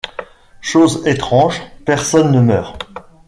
Chose étrange, personne ne meurt.